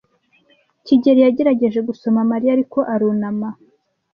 kigeli yagerageje gusoma Mariya, ariko arunama.